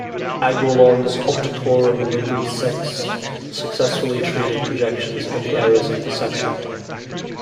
Aguilon's "Opticorum libri sex" successfully treated projections and the errors in perception.